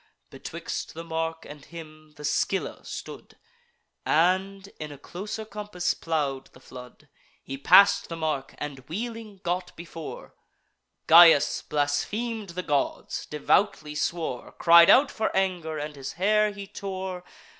Betwixt the mark and him the Scylla stood, And in a closer compass plow'd the flood. He pass'd the mark; and, wheeling, got before: Gyas blasphem'd the gods, devoutly swore, Cried out for anger, and his hair he tore.